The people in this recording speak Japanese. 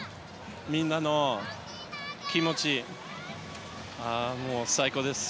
みんなの気持ち、もう最高です。